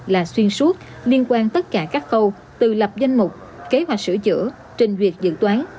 là xuyên suốt liên quan tất cả các khâu từ lập danh mục kế hoạch sửa chữa trình duyệt dự toán